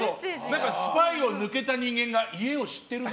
スパイを抜けた人間が家を知ってるぞ？